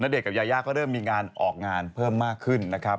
เด็กกับยายาก็เริ่มมีงานออกงานเพิ่มมากขึ้นนะครับ